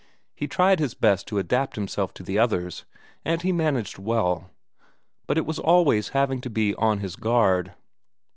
He tried his best to adapt himself to the others, and he managed well; but it was always having to be on his guard.